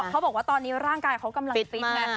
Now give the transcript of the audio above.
เขาบอกว่าตอนนี้ร่างกายเขากำลังฟิตไง